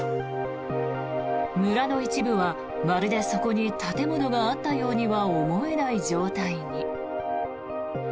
村の一部はまるでそこに建物があったようには思えない状態に。